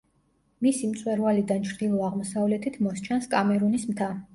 მისი მწვერვალიდან ჩრდილო-აღმოსავლეთით მოსჩანს კამერუნის მთა.